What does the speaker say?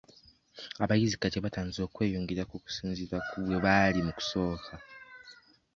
Abayizi kati batandise okweyongerako okusinziira ku bwe baali mu kusooka.